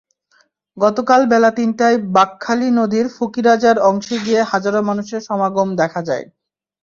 গতকাল বেলা তিনটায় বাঁকখালী নদীর ফকিরাজার অংশে গিয়ে হাজারো মানুষের সমাগম দেখা যায়।